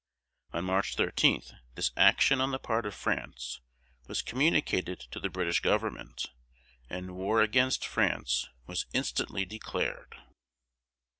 On March 13 this action on the part of France was communicated to the British government, and war against France was instantly declared.